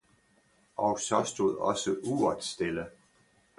og så stod også uret stille.